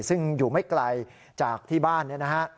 ซึ่งอยู่ไม่ไกลจากที่บ้านเนี่ยนะฮะ